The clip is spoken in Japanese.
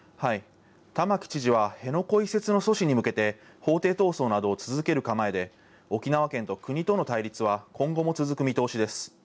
玉城知事は辺野古移設の阻止に向けて、法廷闘争などを続ける構えで、沖縄県と国との対立は今後も続く見通しです。